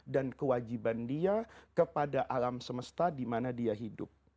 dan kewajiban dia kepada alam semesta dimana dia hidup